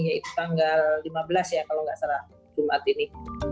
lima belas ya kalau nggak salah jumat ini